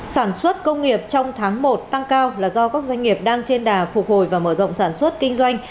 sản xuất công nghiệp trong tháng một tăng cao là do các doanh nghiệp đang trên đà phục hồi và mở rộng sản xuất kinh doanh